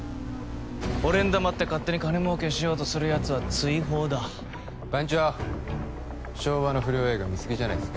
俺に黙って勝手に金儲けしようとするやつは追放だ番長昭和の不良映画見すぎじゃないっすか？